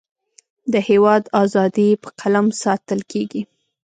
د هیواد اذادی په قلم ساتلکیږی